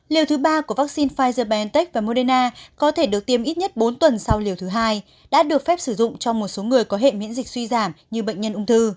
liều thứ ba của vaccine pfizer biontech và moderna có thể được tiêm ít nhất bốn tuần sau liều thứ hai đã được phép sử dụng cho một số người có hệ miễn dịch suy giảm như bệnh nhân ung thư